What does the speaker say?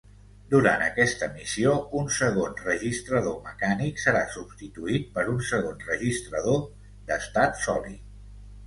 Durant aquesta missió un segon registrador mecànic serà substituït per un segon registrador d'estat sòlid.